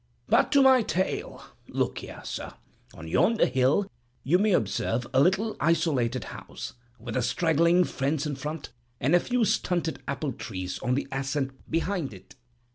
But to my tale. Look there, sir; on yonder hill you may observe a little isolated house, with a straggling fence in front, and a few stunted apple trees on the ascent behind it.